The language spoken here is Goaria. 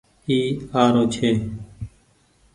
اي آرو ڇي۔